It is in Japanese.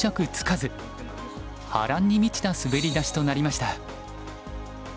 波乱に満ちた滑り出しとなりました。